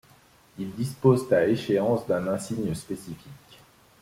Ils disposent à échéance d'un insigne spécifique.